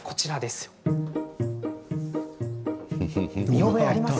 見覚えあります？